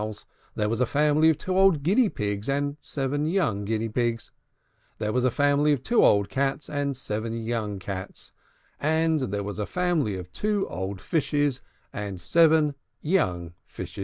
There was a family of two old Guinea Pigs and seven young Guinea Pigs. There was a family of two old Cats and seven young Cats. And there was a family of two old Fishes and seven young Fishes.